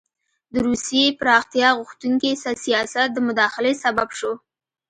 د روسیې پراختیا غوښتونکي سیاست د مداخلې سبب شو.